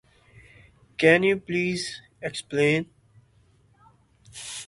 Art critic Nikolaus Pevsner described the building as possessing a "rare picturesque beauty".